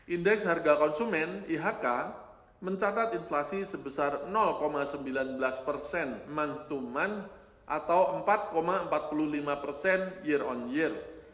indeks harga konsumen ihk mencatat inflasi sebesar sembilan belas persen mont to mont atau empat empat puluh lima persen year on year